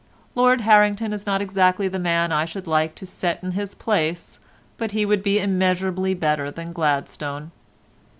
Lord Hartington is not exactly the man I should like to set in his place, but he would be immeasurably better than Gladstone.